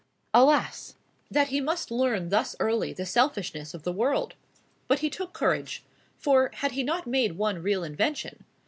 Alas! that he must learn thus early the selfishness of the world! But he took courage; for, had he not made one real invention?